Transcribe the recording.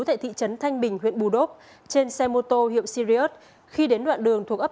tại thị trấn thanh bình huyện bù đốc trên xe mô tô hiệu sirius khi đến đoạn đường thuộc ấp